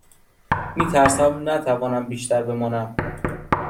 می ترسم نتوانم بیشتر بمانم.